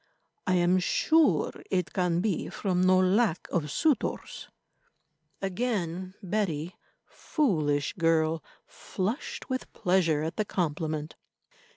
I am sure it can be from no lack of suitors." Again Betty, foolish girl, flushed with pleasure at the compliment.